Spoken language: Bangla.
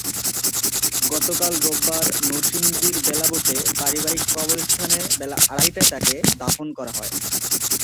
গতকাল রোববার নরসিংদীর বেলাবতে পারিবারিক কবরস্থানে বেলা আড়াইটায় তাঁকে দাফন করা হয়।